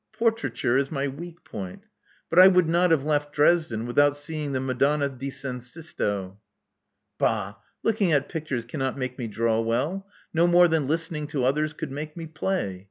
Portraiture is my weak point. But I would not have left Dresden without seeing the Madonna di San Sisto." Bah! Looking at pictures cannot make me draw well, no more than listening to others could make me play.